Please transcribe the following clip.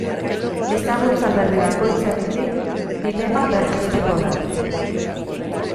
Ezagutza berri bakoitzarekin dilema berpiztuko da.